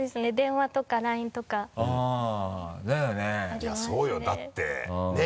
いやそうよだってねぇ。